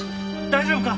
大丈夫か？